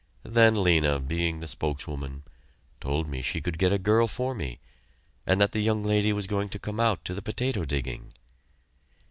Then Lena, being the spokeswoman, told me she could get a girl for me, and that the young lady was going to come out to the potato digging.